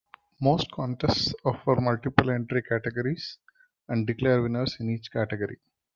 Most contests offer multiple entry categories, and declare winners in each category.